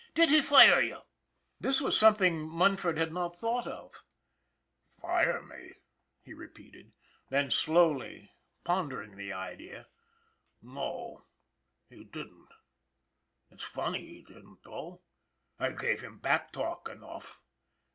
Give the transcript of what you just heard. " Did he fire you? " This was something Munford had not thought of. 332 ON THE IRON AT BIG CLOUD " Fire me ?" he repeated. Then slowly, pondering the idea :" No, he didn't. It's funny he didn't, though; I gave him back talk enough."